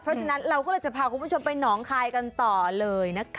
เพราะฉะนั้นเราก็เลยจะพาคุณผู้ชมไปหนองคายกันต่อเลยนะคะ